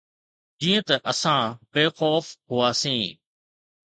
جيئن ته اسان بي خوف هئاسين.